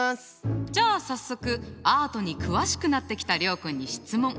じゃあ早速アートに詳しくなってきた諒君に質問！